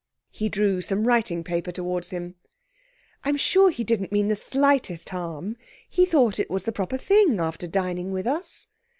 He drew some writing paper towards him. 'I'm sure he didn't mean the slightest harm. He thought it was the proper thing, after dining with us.'